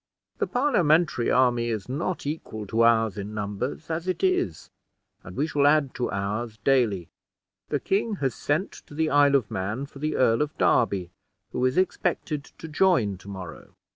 The Parliamentary army is not equal to ours in numbers, as it is; and we shall add to ours dayly. The king has sent to the Isle of Man for the Earl of Derby, who is expected to join to morrow."